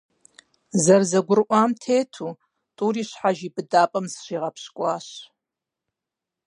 ЗэрызэгурыӀуам тету, тӀури щхьэж и быдапӀэм зыщигъэпщкӏуащ.